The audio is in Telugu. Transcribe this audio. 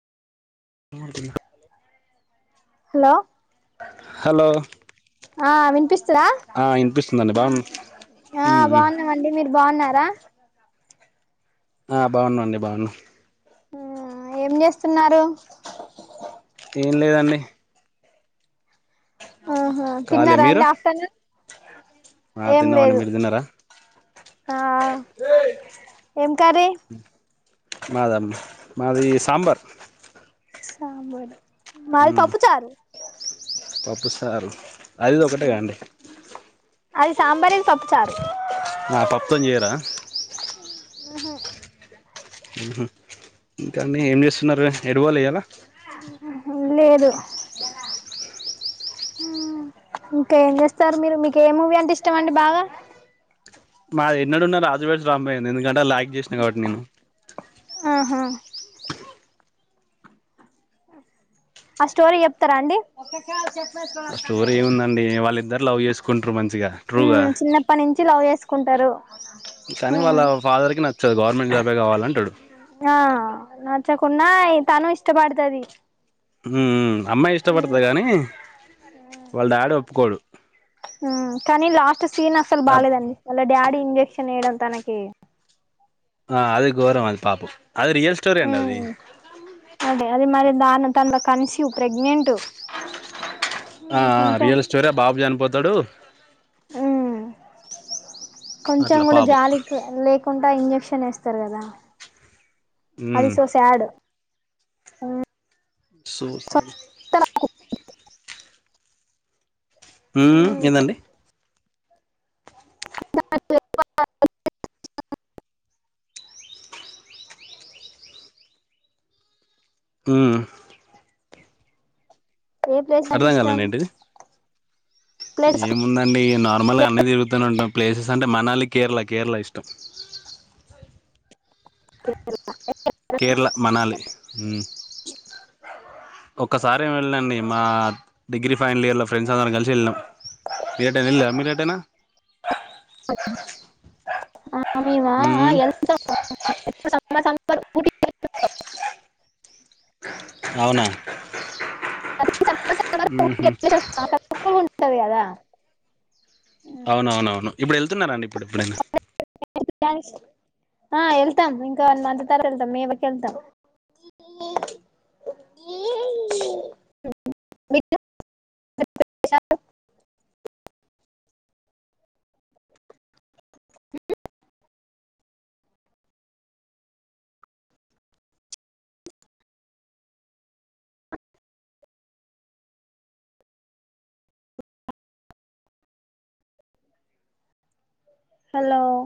ఎంటిది హలో హలో ఆ వినిపిస్తాదా ఆ వినిపిస్తుందండి బాగు ఆ బాగున్నామండి మీరు బాగున్నారా ఆ బాగున్నా అండి బాగున్నా ఏం చేస్తున్నారు ఏం లేదండి ఆహా ఖాళీ తిన్నారా మీరు అండి ఆఫ్టర్నూన్ ఆ ఏం తిన్నామండి లేదు మీరు తిన్నారా ఆ ఏం కర్రీ మాద అండి మాది సాంబార్ సాంబారు మాది పప్పు చారు పప్పు చారు అది ఇది ఒకటేగా అండి అది సాంబార్ అది పప్పు చారు ఆ పప్పుతో చేయరా ఆహా ఆహ ఇంకా అండి ఏం చేస్తున్నారు ఎటుపోలె ఇయ్యాలా లేదు ఇంకా ఏం చేస్తారు మీరు మీకు ఏ మూవీ అంటే ఇష్టం అండి బాగా నాది ఎన్నడున్నా రాజు వెడ్స్ రాంబాయ్ అండి ఎందుకంటే అల్ ఆక్ చేసినా కాబట్టి నేను ఆహా ఆ స్టోరీ చెప్తారా అండి ఆ స్టోరీ ఏముందండి వాళ్ళిద్దరు లవ్ చేసుకుంటారు మంచిగా ట్రూగా కుంటారు కాని వాళ్ళ ఫాదర్ కి నచ్చదు గవర్నమెంట్ జాబే కావాలంటడు ఆ నచ్చకున్నా తను ఇష్టపడతుది హు అమ్మాయి ఇష్టపడతది కానీ వాళ్ళ డాడీ ఒప్పుకోడు కాని లాస్ట్ సీన్ అస్సల్ ఆ బాలేదండి వాళ్ళ డాడీ ఇంజెక్షన్ వేయడం తనకి ఆ అదే గోరం అది పాపం అది రియల్ స్టోరీ అండి అది అదె అది మరి దాను తంద కన్సివ్ ప్రెగ్నెంట్ ఆ కొంచెం రియల్ స్టోరీ బాబు చనిపోతడు ఉమ్ కొంచెం అట్లా కూడ పాపం జాలికి లేకుండా ఇంజెక్షన్ అట్టనే వస్తారు కదా ఐ ఉమ్, సొ శాడ్ సూజ్ ఉమ్ ఏందండి న [inaudible] ఉమ్ ఏ ప్లేస్ అంటె అర్థం ఇష్టం కాలండి ఏంటిది ప్లేస్ ఏముందండి నార్మల్గ అన్న తిరుగుతూనే ఉంటాం ప్లేసెస్ అంటే మనలి కేరళ కేరళ ఇష్టం కేర్ళ మనాలి ఒక్కసారి ఏమి వెళ్ళినండి మా డిగ్రీ ఫైనల్ ఇయర్లో ఫ్రెండ్స్ అందరం కలిసి వెళ్ళినాం మీరేట్యినా వెళ్ళా మీరే టైనా మమీవ అ ఉమ్, ఎంత [inaudible] అవున [inaudible] అంటె కదా అవునవునవును ఇప్పుడు వెళ్తున్నారండి ఇప్పుడిప్పుడె అ వెళ్తాం ఇంక వన్ మంత్ తరత వెళ్తాం మేవకి వెళ్తాం హలోయ్